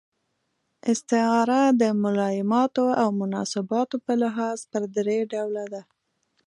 استعاره د ملایماتو او مناسباتو په لحاظ پر درې ډوله ده.